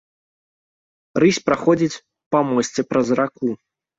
Рысь праходзіць па мосце праз раку.